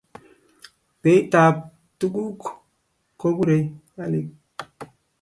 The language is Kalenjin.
Beit ab tuguk kokurei alik